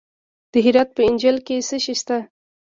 د هرات په انجیل کې څه شی شته؟